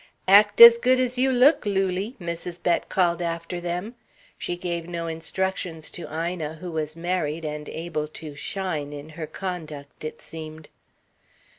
"Act as good as you look, Lulie," Mrs. Bett called after them. She gave no instructions to Ina who was married and able to shine in her conduct, it seemed.